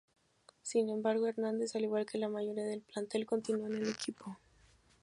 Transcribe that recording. Sin embargo, Hernández al igual que la mayoría del plantel continúa en el equipo.